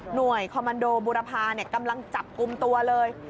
หน่วยคอมมันโดเบอร์บาพาไทยกำลังจับกุมตัวเลย